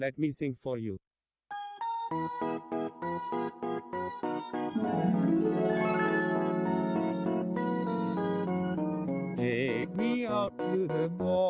meskipun cloning manusia belum bisa diterapkan